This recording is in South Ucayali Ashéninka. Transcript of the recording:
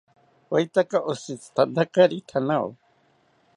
¿Oetaka oshitzitantakari thanao?